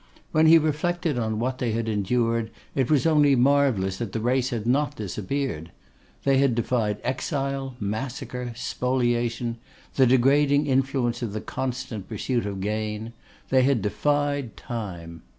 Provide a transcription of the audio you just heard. When he reflected on what they had endured, it was only marvellous that the race had not disappeared. They had defied exile, massacre, spoliation, the degrading influence of the constant pursuit of gain; they had defied Time.